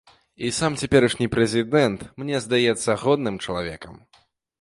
І сам цяперашні прэзідэнт мне здаецца годным чалавекам.